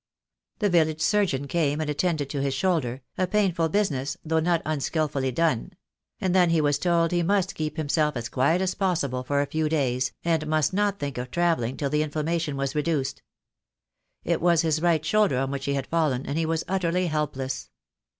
The village surgeon came and attended to his shoulder, a painful business, though not unskilfully done; and then he was told he must keep himself as quiet as possible for a few days, and must not think of travelling till the inflammation was reduced. It was his right shoulder on which he had fallen, and he was utterly helpless.